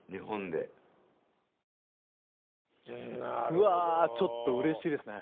うわちょっとうれしいですね。